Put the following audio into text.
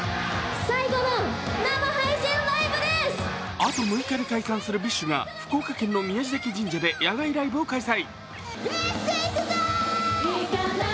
あと６日で解散するＢｉＳＨが福岡県の宮地嶽神社で野外ライブを開催。